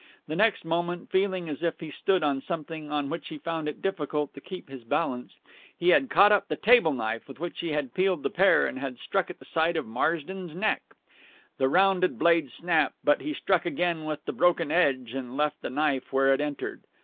The next moment, feeling as if he stood on something on which he found it difficult to keep his balance, he had caught up the table knife with which he had peeled the pear and had struck at the side of Marsden's neck. The rounded blade snapped, but he struck again with the broken edge, and left the knife where it entered.